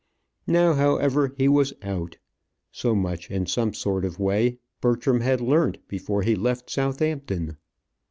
Now, however, he was out. So much, in some sort of way, Bertram had learnt before he left Southampton.